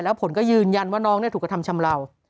แล้วผลก็ยืนยันว่าน้องถูกกระทำชำเหล่า